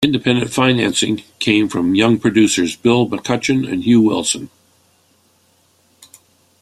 Independent financing came from young producers, Bill McCutchen and Hugh Wilson.